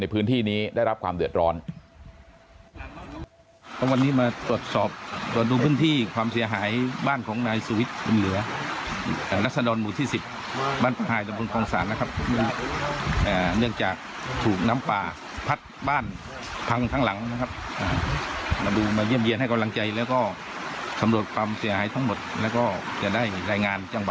พื้นที่นี้ได้รับความเดือดร้อน